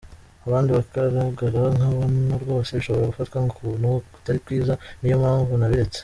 Abandi bakarangara nkabona rwose bishobora gufatwa ukuntu kutari kwiza ni yo mpamvu nabiretse”.